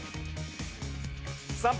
３秒。